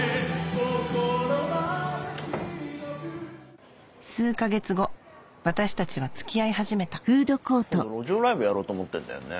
心まで白く数か月後私たちは付き合い始めた今度路上ライブやろうと思ってるんだよね。